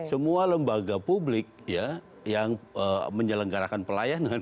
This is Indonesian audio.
semua lembaga publik ya yang menyelenggarakan pelayanan